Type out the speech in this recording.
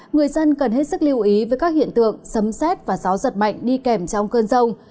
người dân cần hết sức lưu ý với các hiện tượng sấm xét và gió giật mạnh đi kèm trong cơn rông